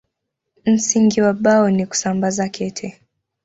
Msingi wa Bao ni kusambaza kete.